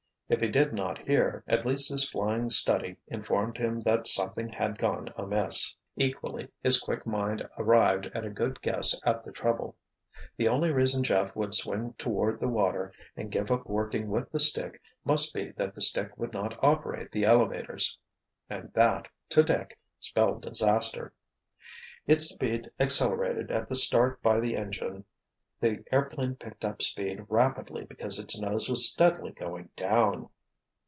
If he did not hear, at least his flying study informed him that something had gone amiss. Equally, his quick mind arrived at a good guess at the trouble. The only reason Jeff would swing toward the water and give up working with the stick must be that the stick would not operate the elevators. And that, to Dick, spelled disaster. Its speed accelerated at the start by the engine the airplane picked up speed rapidly because its nose was steadily going down.